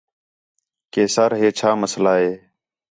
کہ سر ہے چَھا مسئلہ ہے